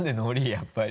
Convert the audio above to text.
やっぱり。